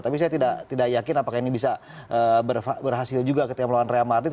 tapi saya tidak yakin apakah ini bisa berhasil juga ketika melawan real madrid